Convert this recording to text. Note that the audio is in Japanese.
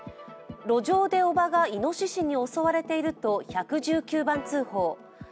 路上でおばが、いのししに襲われていると１１９番通報。